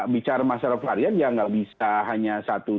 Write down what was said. bicara masalah varian ya nggak bisa hanya satu